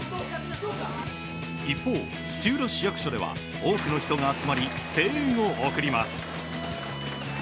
一方、土浦市役所では多くの人が集まり声援を送ります。